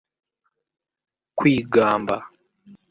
kwigamba